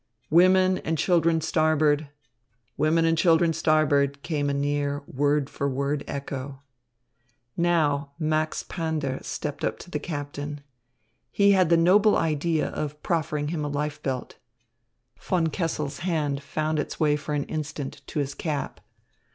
"Women and children starboard." "Women and children starboard," came like a near, word for word echo. Now Max Pander stepped up to the captain. He had the noble idea of proffering him a life belt. Von Kessel's hand found its way for an instant to his cap.